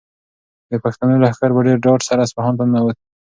د پښتنو لښکر په ډېر ډاډ سره اصفهان ته ننووت.